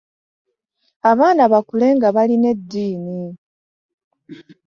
Abaana bakule nga balina eddiini.